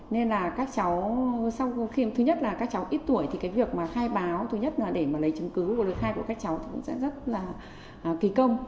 nên là các cháu sau khiêm thứ nhất là các cháu ít tuổi thì cái việc mà khai báo thứ nhất là để mà lấy chứng cứ và lời khai của các cháu cũng sẽ rất là kỳ công